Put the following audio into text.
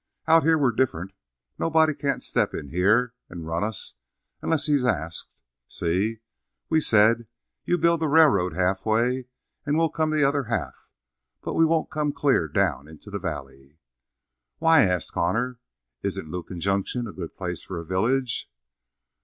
"Out here we're different; nobody can't step in here and run us unless he's asked. See? We said, you build the railroad halfway and we'll come the other half, but we won't come clear down into the valley." "Why?" asked Connor. "Isn't Lukin Junction a good place for a village?"